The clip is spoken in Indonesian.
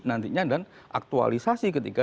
nantinya dan aktualisasi ketika